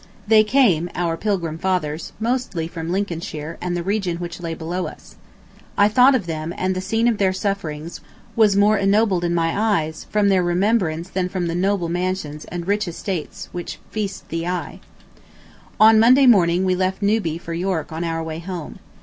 They came, our Plymouth fathers, mostly from Lincolnshire and the region which lay below us. I thought of them, and the scene of their sufferings was more ennobled in my eyes, from their remembrance than from the noble mansions and rich estates which feast the eye. [Picture: Sir Robert Peel. From the mezzotint after Sir T. Lawrence, R. A.] On Monday morning we left Newby for York on our way home.